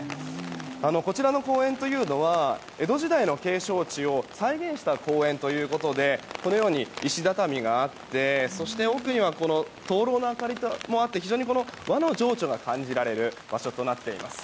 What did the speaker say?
こちらの公園は江戸時代の景勝地を再現した公園ということでこのように石畳があってそして奥にはとうろうの明かりもあって非常に和の情緒が感じられる場所となっています。